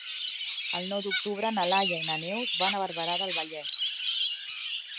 El nou d'octubre na Laia i na Neus van a Barberà del Vallès.